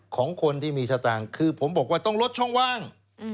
ของคนที่มีสตางค์คือผมบอกว่าต้องลดช่องว่าง